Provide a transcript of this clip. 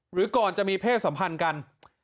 หรือก่อนจะมีเพศสัมพันธ์กัน